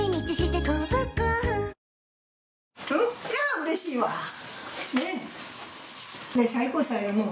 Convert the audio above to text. うれしいわね